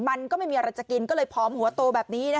มันก็ไม่มีอะไรจะกินก็เลยผอมหัวโตแบบนี้